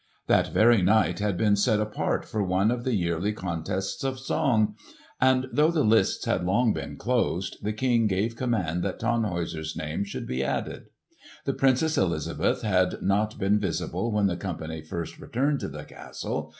That very night had been set apart for one of the yearly contests of song; and though the lists had long been closed, the King gave command that Tannhäuser's name should be added. The Princess Elizabeth had not been visible when the company first returned to the castle.